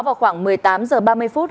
vào khoảng một mươi tám h ba mươi phút